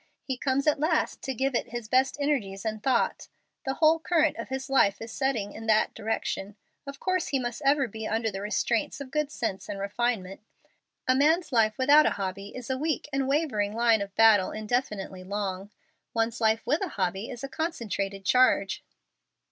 He comes at last to give it his best energies and thought. The whole current of his life is setting in that direction. Of course he must ever be under the restraints of good sense and refinement. A man's life without a hobby is a weak and wavering line of battle indefinitely long. One's life with a hobby is a concentrated charge."